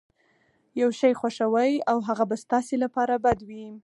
يو شی خوښوئ او هغه به ستاسې لپاره بد وي.